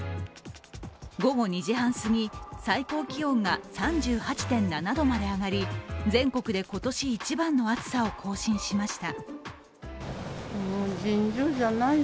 午後２時半すぎ、最高気温が３８．７度まで上がり、全国で今年一番の暑さを更新しました。